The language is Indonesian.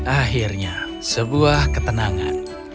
akhirnya sebuah ketenangan